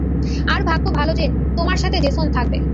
আর ভাগ্য ভালো যে, তোমার সাথে জেসন থাকবে।